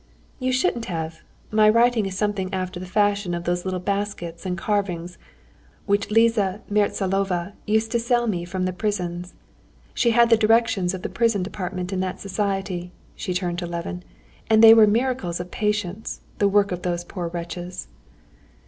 "You shouldn't have. My writing is something after the fashion of those little baskets and carving which Liza Mertsalova used to sell me from the prisons. She had the direction of the prison department in that society," she turned to Levin; "and they were miracles of patience, the work of those poor wretches."